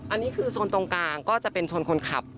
อันนี้คือโซนตรงกลางก็จะเป็นชนคนขับ